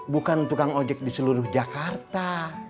bukan tukang ojek di seluruh jakarta